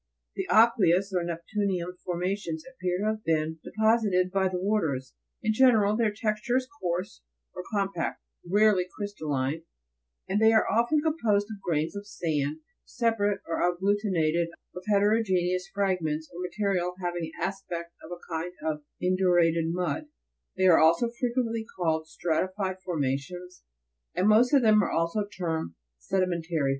27. The aqueous or neptunian formations appear to have been deposited by the waters ; in general their texture is coarse or com pact, rarely crystalline, and they are often composed of grains of sand separate or agglutinated, of heterogenous fragments, or ma terial having the aspect of a kind of indurated mud ; they are also frequently called stratified formations, and most of them are also termed SEDIMENTARY FORMATIONS.